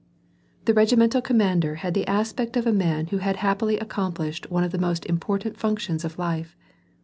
The regimental commander had the aspect of a man who had happily accomplished one of the most important functions of life.